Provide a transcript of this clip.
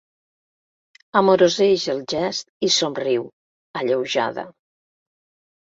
Amoroseix el gest i somriu, alleujada.